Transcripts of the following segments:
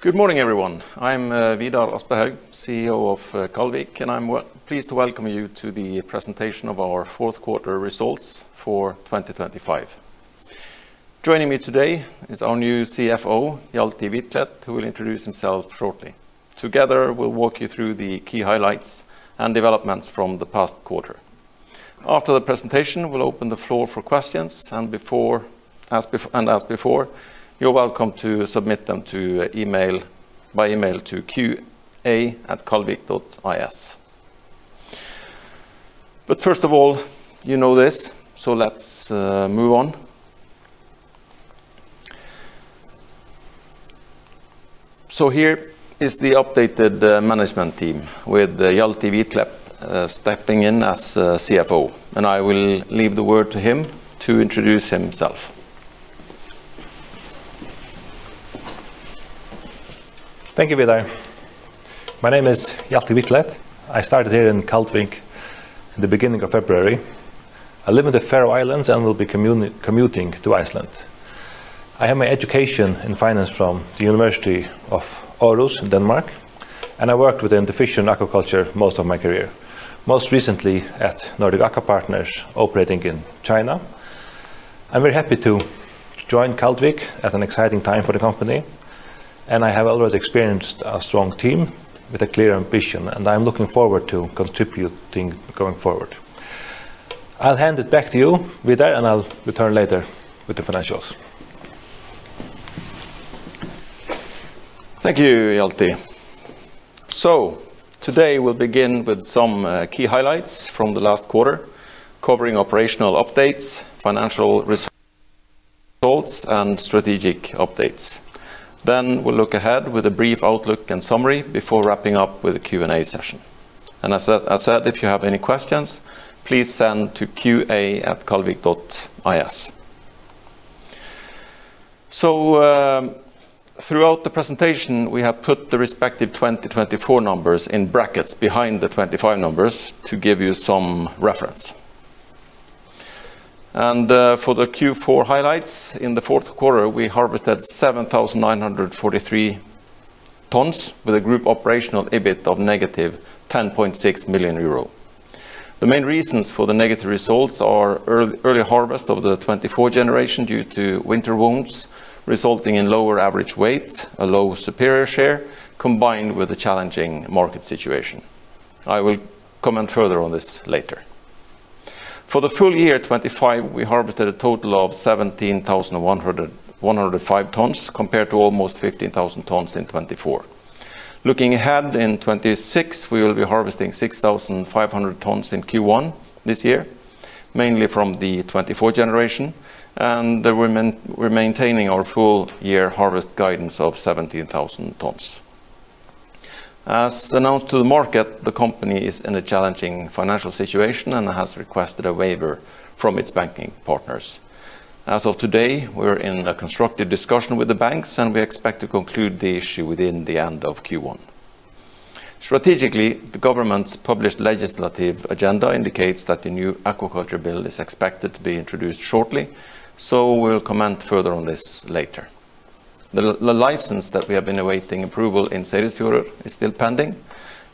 Good morning, everyone. I'm Vidar Aspehaug, CEO of Kaldvik, and I'm pleased to welcome you to the presentation of our fourth quarter results for 2025. Joining me today is our new CFO, Hjalti Hvítklett, who will introduce himself shortly. Together, we'll walk you through the key highlights and developments from the past quarter. After the presentation, we'll open the floor for questions, and as before, you're welcome to submit them to email, by email to qa@kaldvik.is. First of all, you know this, so let's move on. Here is the updated management team with Hjalti Hvítklett stepping in as CFO, and I will leave the word to him to introduce himself. Thank you, Vidar. My name is Hjalti Hvítklett. I started here in Kaldvik in the beginning of February. I live in the Faroe Islands and will be commuting to Iceland. I have my education in finance from Aarhus University in Denmark, and I worked within the fish and aquaculture most of my career. Most recently at Nordic Aqua Partners, operating in China. I'm very happy to join Kaldvik at an exciting time for the company, and I have already experienced a strong team with a clear ambition, and I'm looking forward to contributing going forward. I'll hand it back to you, Vidar, and I'll return later with the financials. Thank you, Hjalti. Today, we'll begin with some key highlights from the last quarter, covering operational updates, financial results, and strategic updates. We'll look ahead with a brief outlook and summary before wrapping up with a Q&A session. As I said, if you have any questions, please send to qa@kaldvik.is. Throughout the presentation, we have put the respective 2024 numbers in brackets behind the 25 numbers to give you some reference. For the Q4 highlights, in the fourth quarter, we harvested 7,943 tons, with a group operational EBIT of negative 10.6 million euro. The main reasons for the negative results are early harvest of the 24 generation due to winter wounds, resulting in lower average weight, a low superior share, combined with a challenging market situation. I will comment further on this later. For the full year 2025, we harvested a total of 17,000 and 105 tons, compared to almost 15,000 tons in 2024. Looking ahead, in 2026, we will be harvesting 6,500 tons in Q1 this year, mainly from the 2024 generation, and we're maintaining our full year harvest guidance of 17,000 tons. As announced to the market, the company is in a challenging financial situation and has requested a waiver from its banking partners. As of today, we're in a constructive discussion with the banks, and we expect to conclude the issue within the end of Q1. Strategically, the government's published legislative agenda indicates that the new aquaculture bill is expected to be introduced shortly. We'll comment further on this later. The license that we have been awaiting approval in Seyðisfjörður is still pending.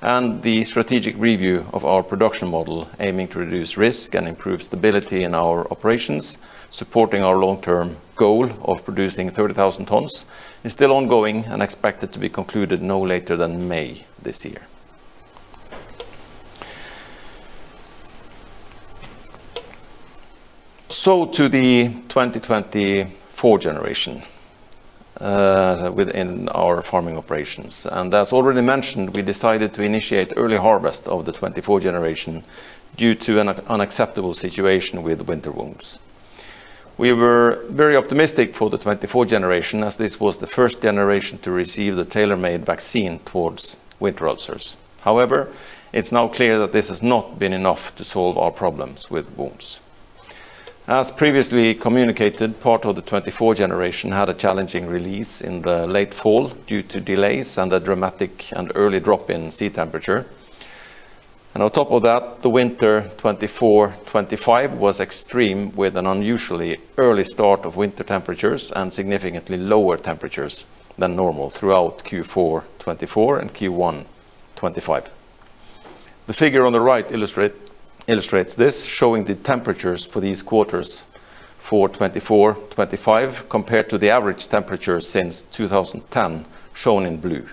The strategic review of our production model, aiming to reduce risk and improve stability in our operations, supporting our long-term goal of producing 30,000 tons, is still ongoing and expected to be concluded no later than May this year. To the 2024 generation within our farming operations. As already mentioned, we decided to initiate early harvest of the 2024 generation due to an unacceptable situation with winter wounds. We were very optimistic for the 2024 generation, as this was the first generation to receive the tailor-made vaccine towards winter ulcers. It's now clear that this has not been enough to solve our problems with wounds. As previously communicated, part of the 24 generation had a challenging release in the late fall due to delays and a dramatic and early drop in sea temperature. On top of that, the winter 2024, 2025 was extreme, with an unusually early start of winter temperatures and significantly lower temperatures than normal throughout Q4 2024 and Q1 2025. The figure on the right illustrates this, showing the temperatures for these quarters for 2024, 2025, compared to the average temperature since 2010, shown in blue.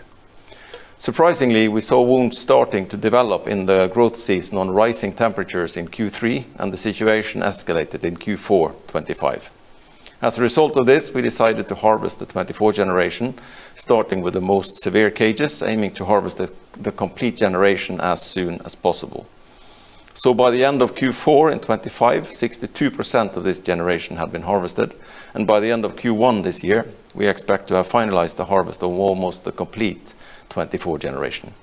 Surprisingly, we saw wounds starting to develop in the growth season on rising temperatures in Q3, and the situation escalated in Q4 2025. As a result of this, we decided to harvest the 24 generation, starting with the most severe cages, aiming to harvest the complete generation as soon as possible. By the end of Q4 in 2025, 62% of this generation had been harvested, and by the end of Q1 this year, we expect to have finalized the harvest of almost the complete 2024 generation.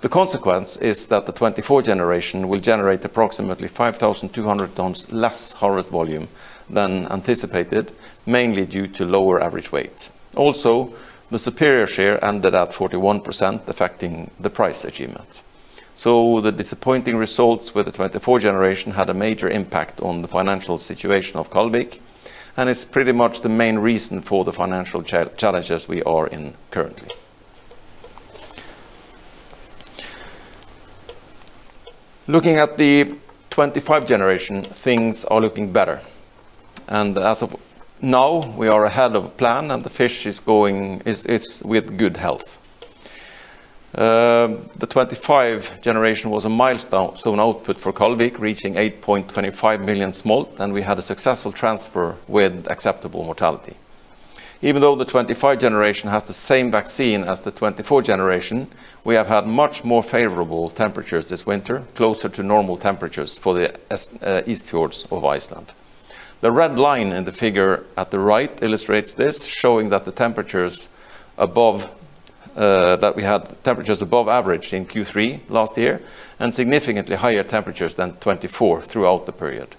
The consequence is that the 2024 generation will generate approximately 5,200 tons less harvest volume than anticipated, mainly due to lower average weight. Also, the superior share ended at 41%, affecting the price achievement. The disappointing results with the 2024 generation had a major impact on the financial situation of Kaldvik, and it's pretty much the main reason for the financial challenges we are in currently. Looking at the 2025 generation, things are looking better, and as of now, we are ahead of plan, and the fish it's with good health. The 25 generation was a milestone output for Kaldvik, reaching 8.25 million smolt, and we had a successful transfer with acceptable mortality. Even though the 25 generation has the same vaccine as the 24 generation, we have had much more favorable temperatures this winter, closer to normal temperatures for the East Fjords of Iceland. The red line in the figure at the right illustrates this, showing that the temperatures above, that we had temperatures above average in Q3 last year, and significantly higher temperatures than 24 throughout the period.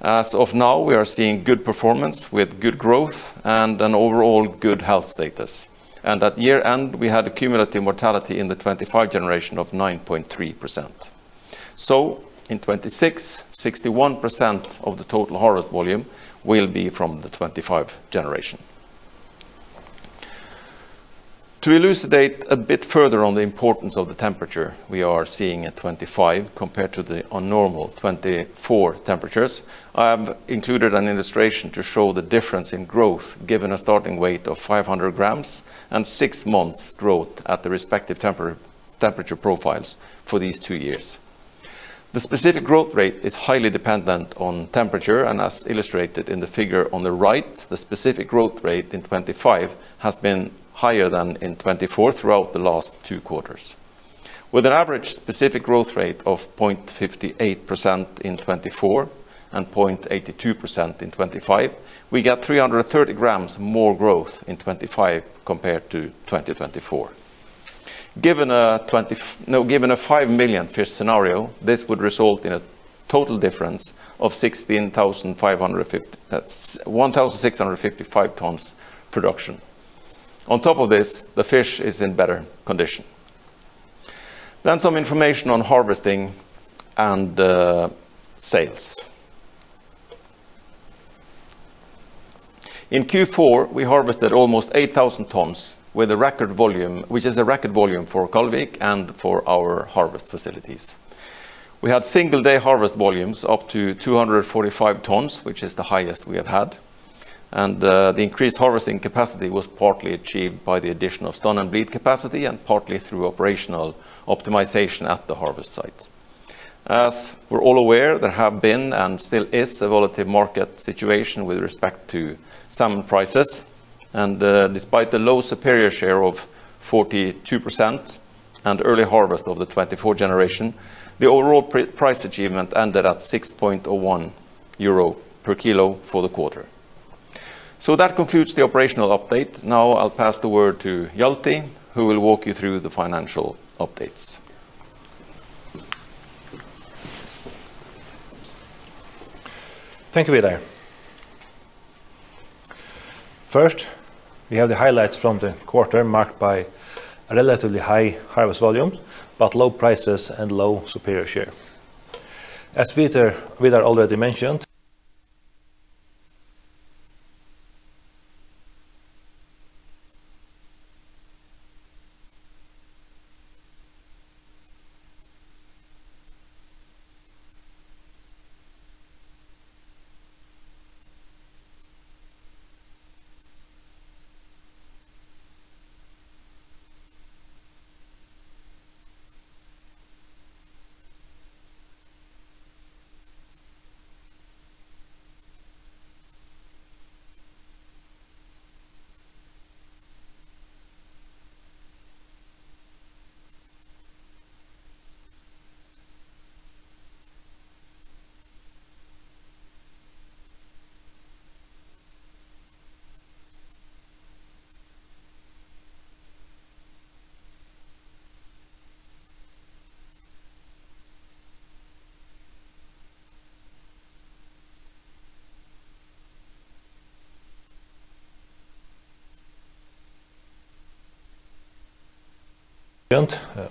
As of now, we are seeing good performance with good growth and an overall good health status. At year-end, we had a cumulative mortality in the 25 generation of 9.3%. In 26, 61% of the total harvest volume will be from the 25 generation. To elucidate a bit further on the importance of the temperature we are seeing at 25 compared to the unnormal 24 temperatures, I have included an illustration to show the difference in growth, given a starting weight of 500 grams and six months growth at the respective temperature profiles for these two years. The specific growth rate is highly dependent on temperature, and as illustrated in the figure on the right, the specific growth rate in 25 has been higher than in 24 throughout the last two quarters. With an average specific growth rate of 0.58% in 24 and 0.82% in 25, we get 330 grams more growth in 25 compared to 2024. Given a 5 million fish scenario, this would result in a total difference of 1,655 tons production. On top of this, the fish is in better condition. Some information on harvesting and sales. In Q4, we harvested almost 8,000 tons with a record volume, which is a record volume for Kaldvik and for our harvest facilities. We had single-day harvest volumes up to 245 tons, which is the highest we have had, the increased harvesting capacity was partly achieved by the addition of stun and bleed capacity and partly through operational optimization at the harvest site. As we're all aware, there have been, and still is, a volatile market situation with respect to salmon prices, and, despite the low superior share of 42% and early harvest of the 24 generation, the overall price achievement ended at 6.01 euro per kilo for the quarter. That concludes the operational update. Now, I'll pass the word to Hjalti, who will walk you through the financial updates. Thank you, Vidar Aspehaug. First, we have the highlights from the quarter marked by relatively high harvest volumes, but low prices and low superior share. As Vidar Aspehaug already mentioned,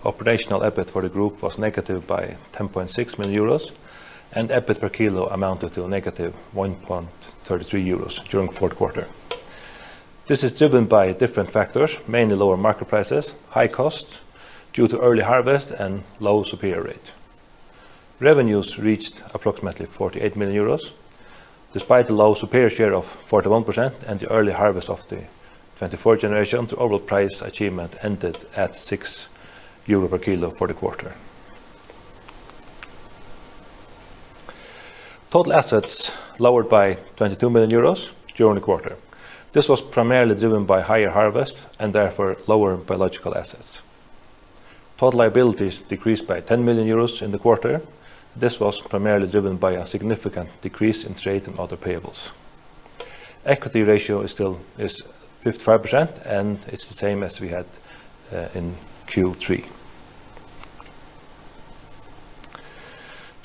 operational EBIT for the group was negative by 10.6 million euros, and EBIT per kilo amounted to negative 1.33 euros during the fourth quarter. This is driven by different factors, mainly lower market prices, high costs due to early harvest, and low superior rate. Revenues reached approximately 48 million euros. Despite the low superior share of 41% and the early harvest of the 24 generation, the overall price achievement ended at 6 euro per kilo for the quarter. Total assets lowered by 22 million euros during the quarter. This was primarily driven by higher harvest and therefore lower biological assets. Total liabilities decreased by 10 million euros in the quarter. This was primarily driven by a significant decrease in trade and other payables. Equity ratio is still 55%, and it's the same as we had in Q3.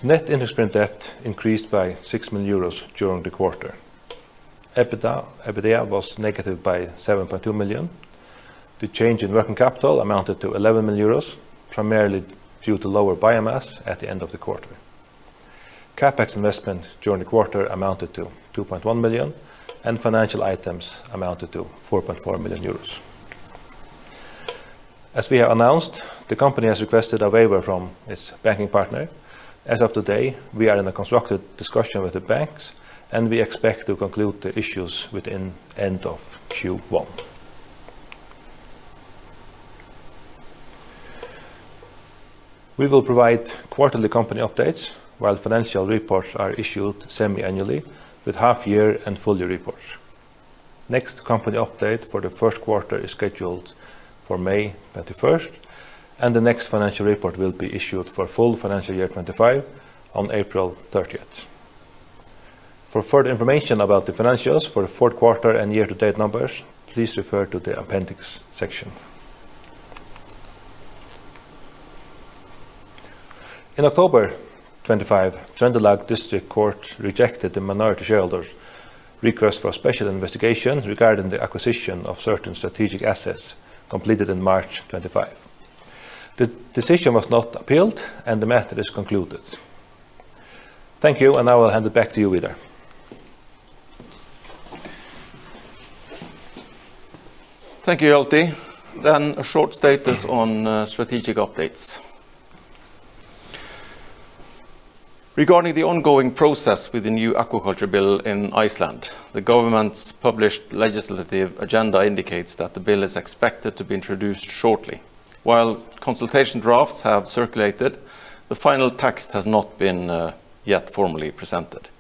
Net interest-bearing debt increased by 6 million euros during the quarter. EBITDA was negative by 7.2 million. The change in working capital amounted to 11 million euros, primarily due to lower biomass at the end of the quarter. CapEx investment during the quarter amounted to 2.1 million, and financial items amounted to 4.4 million euros. As we have announced, the company has requested a waiver from its banking partner. As of today, we are in a constructive discussion with the banks, and we expect to conclude the issues within end of Q1. We will provide quarterly company updates, while financial reports are issued semi-annually with half-year and full-year reports. Next company update for the first quarter is scheduled for May 21st, and the next financial report will be issued for full financial year 2025 on April 30th. For further information about the financials for the fourth quarter and year-to-date numbers, please refer to the appendix section. In October 2025, Trøndelag District Court rejected the minority shareholders' request for a special investigation regarding the acquisition of certain strategic assets completed in March 2025. The decision was not appealed, and the matter is concluded. Thank you, and I will hand it back to you, Vidar. Thank you, Hjalti. A short status on strategic updates. Regarding the ongoing process with the new aquaculture bill in Iceland, the government's published legislative agenda indicates that the bill is expected to be introduced shortly. While consultation drafts have circulated, the final text has not been yet formally presented.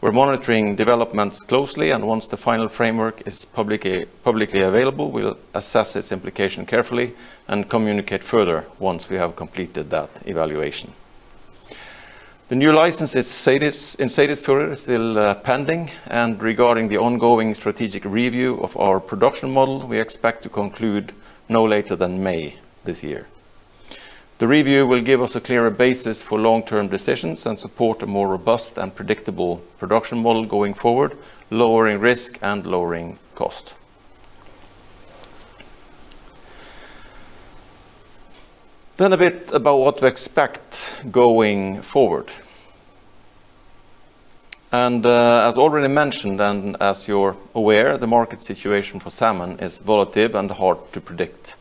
We're monitoring developments closely, and once the final framework is publicly available, we'll assess its implication carefully and communicate further once we have completed that evaluation. The new license in Seyðisfjörður is still pending, and regarding the ongoing strategic review of our production model, we expect to conclude no later than May this year. The review will give us a clearer basis for long-term decisions and support a more robust and predictable production model going forward, lowering risk and lowering cost. A bit about what to expect going forward. As already mentioned, and as you're aware, the market situation for salmon is volatile and hard to predict.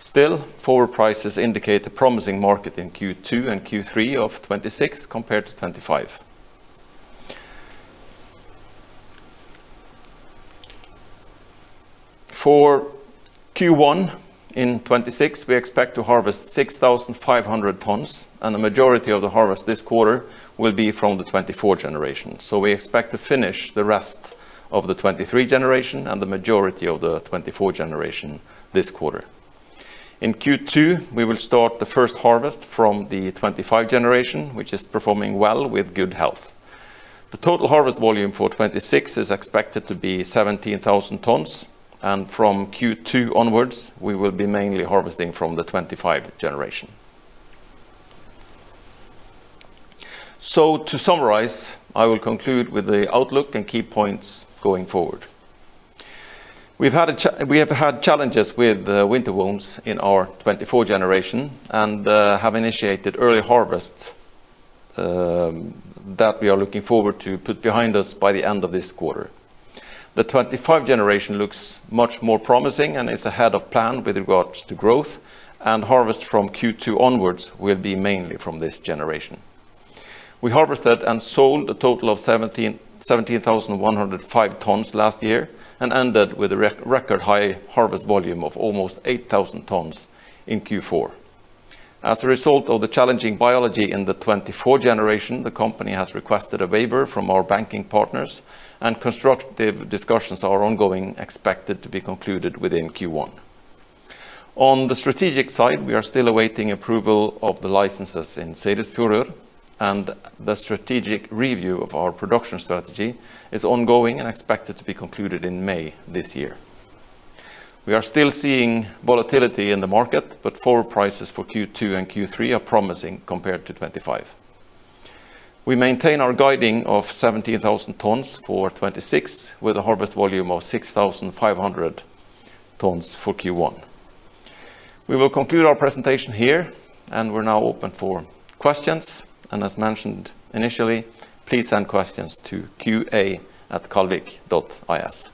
Still, forward prices indicate a promising market in Q2 and Q3 of 2026 compared to 2025. For Q1 in 2026, we expect to harvest 6,500 tons. The majority of the harvest this quarter will be from the 2024 generation. We expect to finish the rest of the 2023 generation and the majority of the 2024 generation this quarter. In Q2, we will start the first harvest from the 2025 generation, which is performing well with good health. The total harvest volume for 2026 is expected to be 17,000 tons. From Q2 onwards, we will be mainly harvesting from the 2025 generation. To summarize, I will conclude with the outlook and key points going forward. We've had we have had challenges with winter wounds in our 24 generation and have initiated early harvests that we are looking forward to put behind us by the end of this quarter. The 25 generation looks much more promising and is ahead of plan with regards to growth, and harvest from Q2 onwards will be mainly from this generation. We harvested and sold a total of 17,105 tons last year and ended with a record high harvest volume of almost 8,000 tons in Q4. As a result of the challenging biology in the 24 generation, the company has requested a waiver from our banking partners, and constructive discussions are ongoing, expected to be concluded within Q1. On the strategic side, we are still awaiting approval of the licenses in Seyðisfjörður. The strategic review of our production strategy is ongoing and expected to be concluded in May this year. We are still seeing volatility in the market. Forward prices for Q2 and Q3 are promising compared to 2025. We maintain our guiding of 17,000 tons for 2026, with a harvest volume of 6,500 tons for Q1. We will conclude our presentation here. We're now open for questions. As mentioned initially, please send questions to qa@kaldvik.is.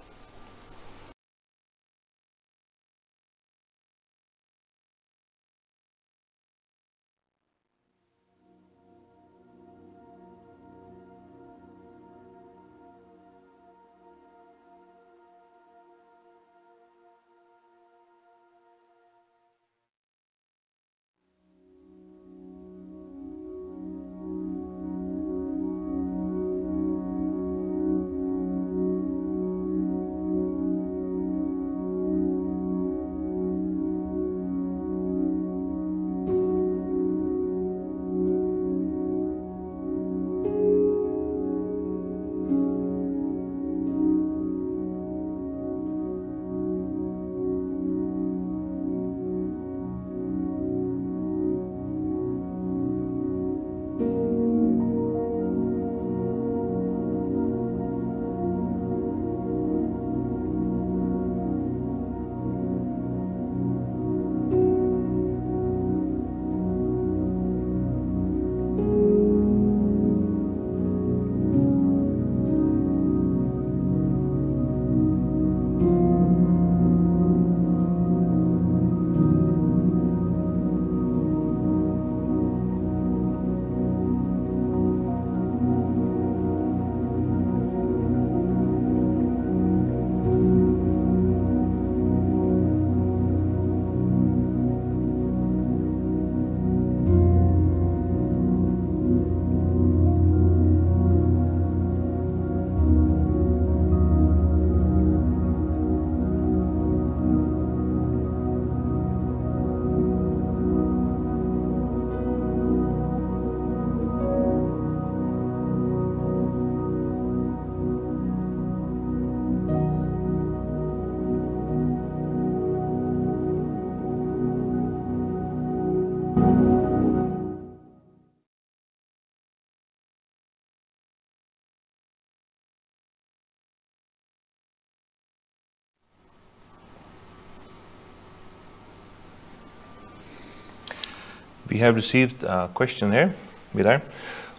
We have received a question here, Vidar: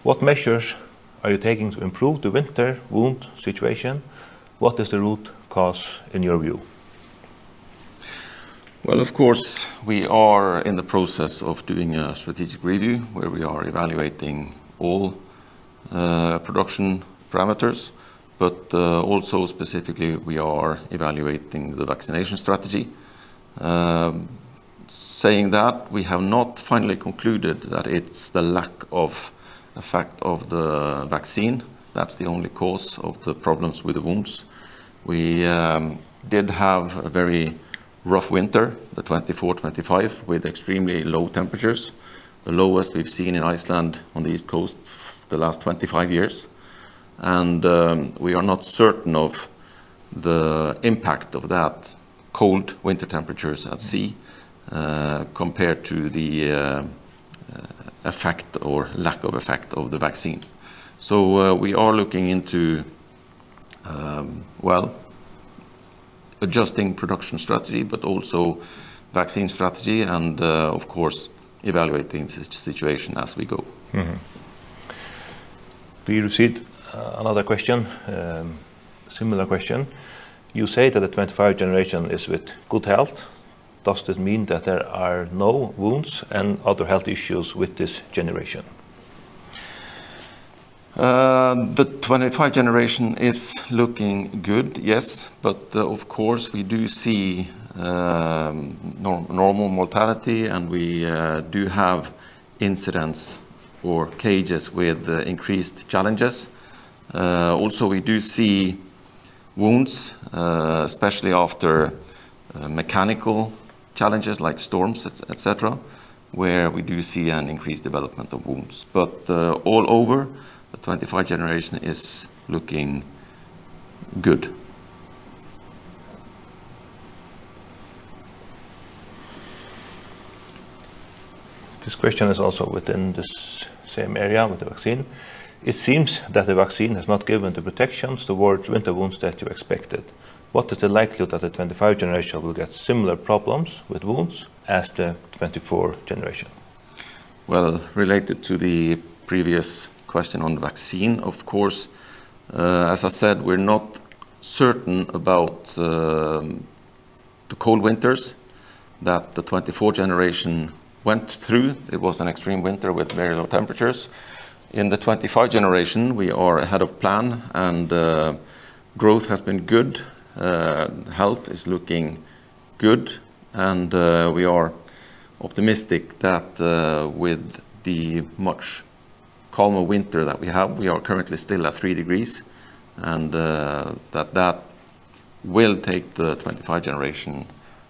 What measures are you taking to improve the winter wound situation? What is the root cause in your view? Well, of course, we are in the process of doing a strategic review, where we are evaluating all production parameters, but also specifically, we are evaluating the vaccination strategy. Saying that, we have not finally concluded that it's the lack of effect of the vaccine, that's the only cause of the problems with the wounds. We did have a very rough winter, the 2024-2025, with extremely low temperatures, the lowest we've seen in Iceland on the East Coast for the last 25 years. We are not certain of the impact of that cold winter temperatures at sea, compared to the effect or lack of effect of the vaccine. We are looking into, well, adjusting production strategy, but also vaccine strategy, and of course, evaluating the situation as we go. We received another question, similar question: You say that the 25 generation is with good health. Does this mean that there are no wounds and other health issues with this generation? The 25 generation is looking good, yes, of course, we do see normal mortality, and we do have incidents or cages with increased challenges. Also, we do see wounds, especially after mechanical challenges like storms, where we do see an increased development of wounds. All over, the 25 generation is looking good. This question is also within this same area with the vaccine. It seems that the vaccine has not given the protections towards winter wounds that you expected. What is the likelihood that the 25 generation will get similar problems with wounds as the 24 generation? Related to the previous question on vaccine, of course, as I said, we're not certain about the cold winters that the 2024 generation went through. It was an extreme winter with very low temperatures. In the 2025 generation, we are ahead of plan, and growth has been good, health is looking good, and we are optimistic that with the much calmer winter that we have, we are currently still at 3 degrees, and that will take the 2025 generation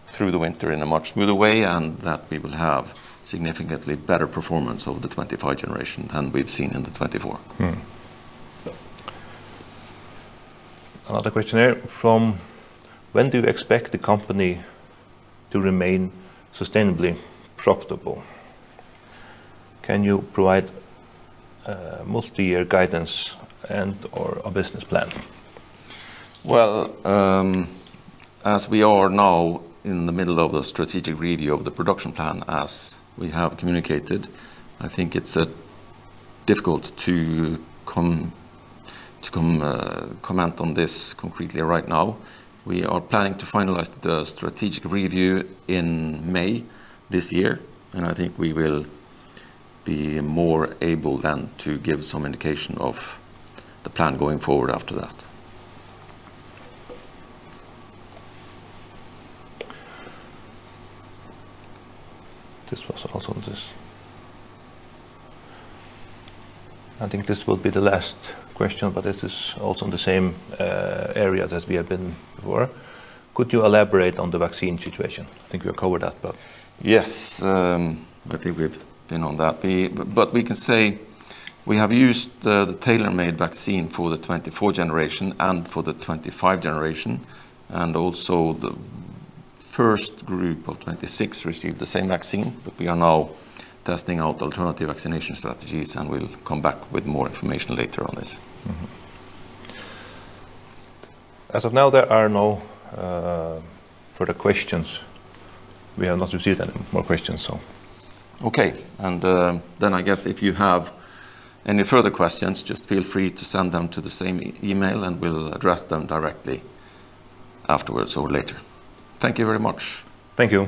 through the winter in a much smoother way, and that we will have significantly better performance over the 2025 generation than we've seen in the 2024. Another question here from... When do you expect the company to remain sustainably profitable? Can you provide multi-year guidance and/or a business plan? Well, as we are now in the middle of a strategic review of the production plan, as we have communicated, I think it's difficult to comment on this concretely right now. We are planning to finalize the strategic review in May this year. I think we will be more able then to give some indication of the plan going forward after that. This was also on this. I think this will be the last question, but this is also in the same areas as we have been before: Could you elaborate on the vaccine situation? I think we have covered that. Yes, I think we've been on that. We can say we have used the tailor-made vaccine for the 24 generation and for the 25 generation, the first group of 26 received the same vaccine, we are now testing out alternative vaccination strategies, we'll come back with more information later on this. As of now, there are no further questions. We have not received any more questions, so. I guess if you have any further questions, just feel free to send them to the same email, and we'll address them directly afterwards or later. Thank you very much. Thank you.